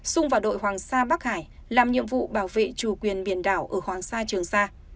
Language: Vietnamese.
xung vào đội hoàng sa bắc hải làm nhiệm vụ bảo vệ chủ quyền biển đảo ở hoàng sa trường sa